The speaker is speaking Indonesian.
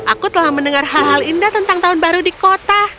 aku telah mendengar hal hal indah tentang tahun baru di kota